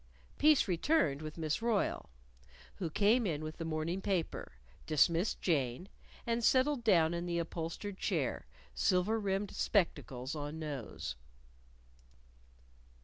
Peace returned with Miss Royle, who came in with the morning paper, dismissed Jane, and settled down in the upholstered chair, silver rimmed spectacles on nose.